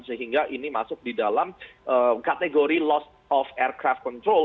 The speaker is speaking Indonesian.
sehingga ini masuk di dalam kategori lost of aircraft control